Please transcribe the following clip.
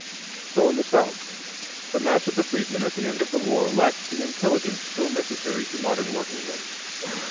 So in the South: the mass of the freedmen at the end of the war lacked the intelligence so necessary to modern workingmen.